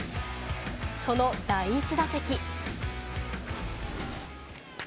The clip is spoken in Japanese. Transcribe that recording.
その第１打席。